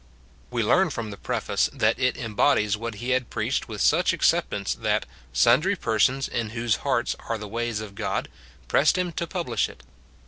(141) 142 PREFATORY NOTE. We learn from the preface, that it embodies what he had preached ■with such acceptance that " sundry persons, in whose hearts are the ways of God," pressed hira to publish it.